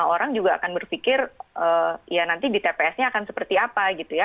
orang juga akan berpikir ya nanti di tps nya akan seperti apa gitu ya